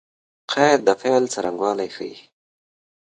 قید د فعل څرنګوالی ښيي.